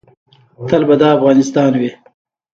تل به دا افغانستان وي